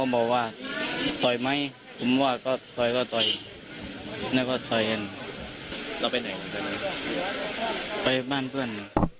ไปบ้านเพื่อน